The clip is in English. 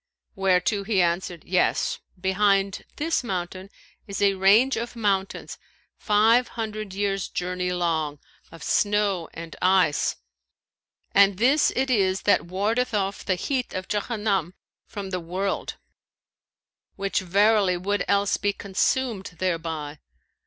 whereto he answered, 'Yes, behind this mountain is a range of mountains five hundred years' journey long, of snow and ice, and this it is that wardeth off the heat of Jahannam from the world, which verily would else be consumed thereby.